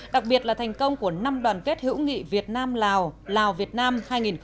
đặc biệt là thành công của năm đoàn kết hữu nghị việt nam lào lào việt nam hai nghìn một mươi tám